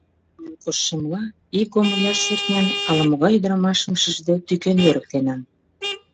Шеҥын коштшемла, ий комыляш шӱртнен, ала-могай ӱдырамашым шижде тӱкен йӧрыктенам.